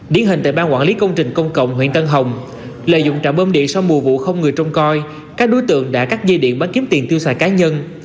điển hình tại bang quản lý công trình công cộng huyện tân hồng lợi dụng trạm bơm điện sau mùa vụ không người trông coi các đối tượng đã cắt dây điện bán kiếm tiền tiêu xài cá nhân